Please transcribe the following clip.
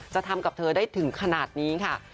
จะทำกับเธอได้ถึงขนาดนี้ค่ะ